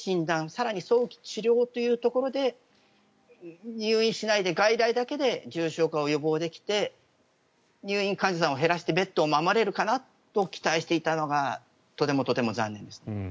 更に早期治療というところで入院しないで外来だけで重症を予防できて入院患者さんを減らしてベッドを守れるかなと期待していたのがとてもとても残念です。